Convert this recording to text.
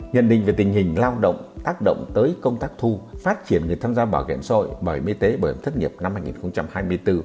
nhận định về tình hình lao động tác động tới công tác thu phát triển người tham gia bảo hiểm xã hội bảo hiểm y tế bảo hiểm thất nghiệp năm hai nghìn hai mươi bốn